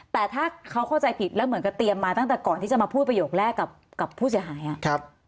แต่ถ้าเขาเข้าใจผิดแล้วเหมือนกับเตรียมมาตั้งแต่ก่อนที่จะมาพูดประโยคแรกกับผู้เสียหายอ่ะ